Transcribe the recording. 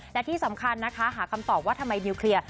และที่สำคัญนะคะหาคำตอบว่าทำไมนิวเคลียร์